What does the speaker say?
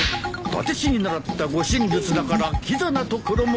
殺陣師に習った護身術だからきざなところもある。